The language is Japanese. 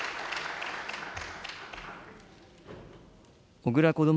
小倉こども